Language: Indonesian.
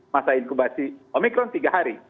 masa inkubasi omikron tiga hari